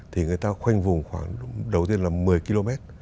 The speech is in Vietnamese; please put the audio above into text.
thì người ta khoanh vùng khoảng đầu tiên là một mươi km